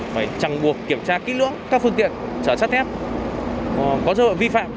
phải chẳng buộc kiểm tra kỹ lưỡng các phương tiện trả sát thép có dựa vi phạm